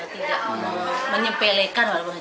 tidak mau menyepelekan